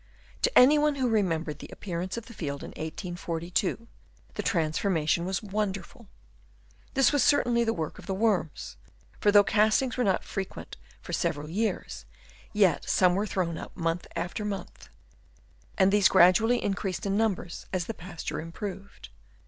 To anyone who remembered the appearance of the field in 1842, the transfor mation was wonderful. This was certainly the work of the worms, for though castings were not frequent for several years, yet some were thrown up month after month, and 146 AMOUNT OF EARTH Chap. III. these gradually increased in numbers as the pasture improved.